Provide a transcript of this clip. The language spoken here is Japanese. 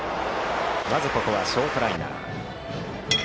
まずここはショートライナー。